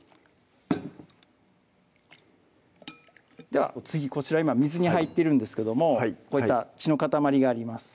では次こちら今水に入ってるんですけどもこういった血の塊があります